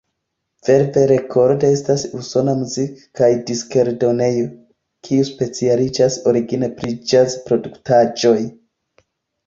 Verve Records estas usona muzik- kaj diskeldonejo, kiu specialiĝis origine pri ĵaz-produktaĵoj.